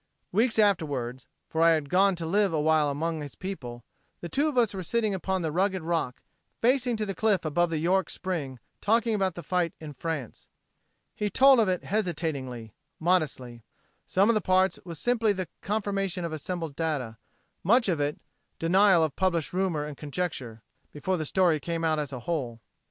Weeks afterward for I had gone to live awhile among his people the two of us were sitting upon the rugged rock, facing to the cliff above the York spring, talking about the fight in France. He told of it hesitatingly, modestly. Some of the parts was simply the confirmation of assembled data; much of it, denial of published rumor and conjecture before the story came out as a whole.